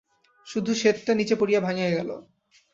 শুধু শেডটা নিচে পড়িয়া ভাঙিয়া গেল।